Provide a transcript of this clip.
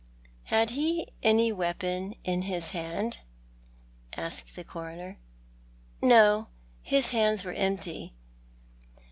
" Had he any weapon in his hand ?" asked the Coroner. " No. His hands were empty."